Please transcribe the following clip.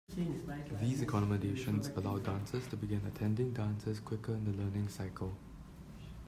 These accommodations allow dancers to begin attending dances quicker in the learning cycle.